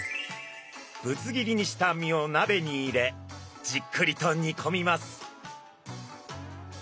ぶつ切りにした身をなべに入れじっくりと煮込みます。